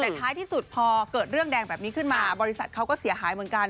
แต่ท้ายที่สุดพอเกิดเรื่องแดงแบบนี้ขึ้นมาบริษัทเขาก็เสียหายเหมือนกัน